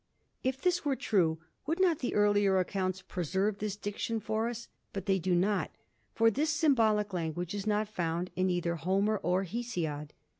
If this were true, would not the earlier accounts preserve this diction for us? But they do not, for this symbolic language is not found in either Homer or Hesiod.